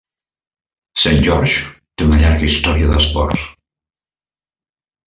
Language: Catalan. Saint George's té una llarga història d'esports.